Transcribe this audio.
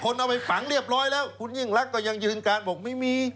เอาไปฝังเรียบร้อยแล้วคุณยิ่งรักก็ยังยืนการบอกไม่มี